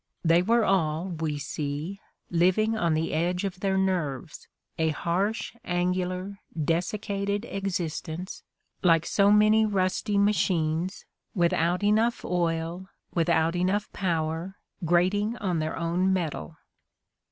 They were all, we see, living on the edge of their nerves, a harsh, angular, desiccated existence, like so many rusty machines, without enough oil, without enough power, grating on their own metal.